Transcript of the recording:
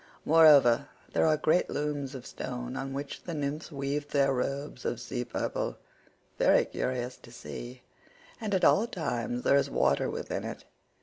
Moreover, there are great looms of stone on which the nymphs weave their robes of sea purple—very curious to see—and at all times there is water within it.